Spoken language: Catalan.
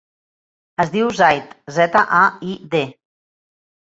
Es diu Zaid: zeta, a, i, de.